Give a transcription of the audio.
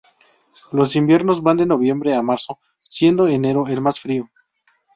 Los inviernos van de noviembre a marzo, siendo enero el más frío.